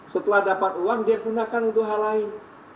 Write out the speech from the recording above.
setelah dapat uang dia gunakan untuk hal lain